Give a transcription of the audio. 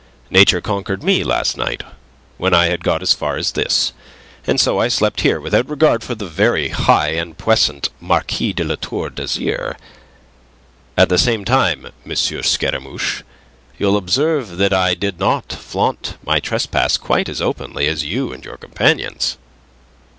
Nature conquered me last night when I had got as far as this. And so I slept here without regard for the very high and puissant Marquis de La Tour d'Azyr. At the same time, M. Scaramouche, you'll observe that I did not flaunt my trespass quite as openly as you and your companions."